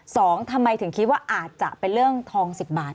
ทำไมถึงคิดว่าอาจจะเป็นเรื่องทองสิบบาท